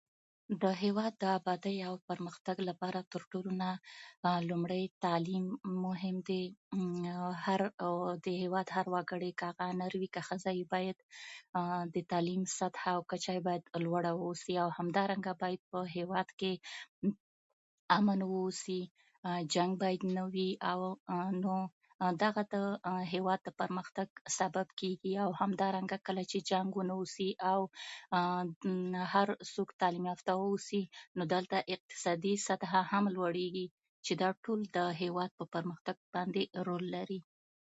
د هېواد د ابادۍ او پرمختګ لپاره تر ټولو نه لومړی تعلیم مهم دی، او د هېواد هر وګړی باید، که هغه نر وي که ښځه وي، د تعلیم سطحه یې باید لوړه واوسي. او همدارنګه په هېواد کې امن واوسي، جنګ باید نه وي. نو دغه د هېواد د پرمختګ سبب کېږي. او همدارنګه، کله چې جنګ ونه اوسي، نو هر څوک تعلیم یافته واوسي، نو دلته اقتصادي سطحه هم لوړېږي، چې دا ټول د هېواد پرمختګ باندې رول لري.